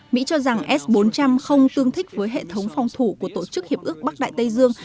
mỹ cho rằng s bốn trăm linh không tương thích với hệ thống phòng thủ của tổ chức hiệp ước bắc đại tây dương